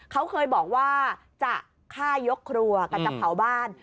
เขาเคยบอกว่าจะฆ่ายกครัวกันจะเผาบ้าน